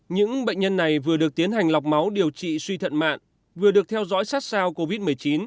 những bệnh nhân này vừa được tiến hành lọc máu điều trị suy thận mạng vừa được theo dõi sát sao covid một mươi chín